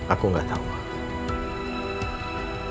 aku nggak tahu pak